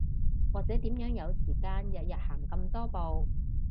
或者點樣有時間日日行咁多步